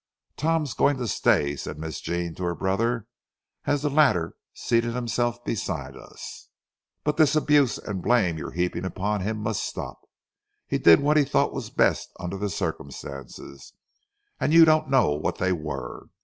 "Tom's going to stay," said Miss Jean to her brother, as the latter seated himself beside us; "but this abuse and blame you're heaping on him must stop. He did what he thought was best under the circumstances, and you don't know what they were.